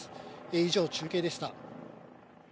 以上、中継でした。